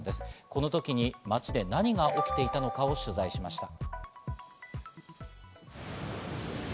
この時に町で何が起きていたのかを取材しました。